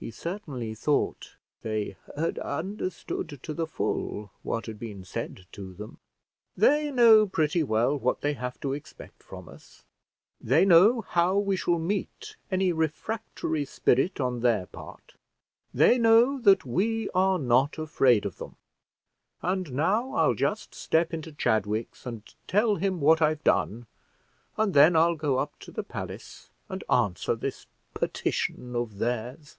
He certainly thought they had understood to the full what had been said to them. "They know pretty well what they have to expect from us; they know how we shall meet any refractory spirit on their part; they know that we are not afraid of them. And now I'll just step into Chadwick's, and tell him what I've done; and then I'll go up to the palace, and answer this petition of theirs."